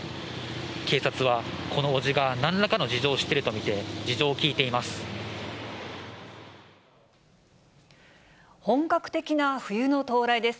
警察は、この伯父がなんらかの事情を知っていると見て、事情を聴いていま本格的な冬の到来です。